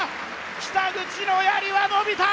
北口のやりはのびた！